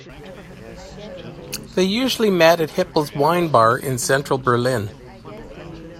They usually met at Hippel's Wine Bar in central Berlin.